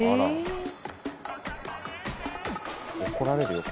「怒られるよ